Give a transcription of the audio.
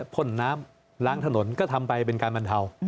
พ่นน้ำล้างถนนก็ทำไปเป็นการบรรเทา